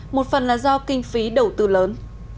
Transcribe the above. một phần là do kinh phí đầu tư lớn